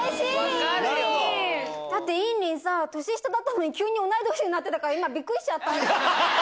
だって、インリンさ、年下だったのに、急に同い年になってたから、今、びっくりしちゃった。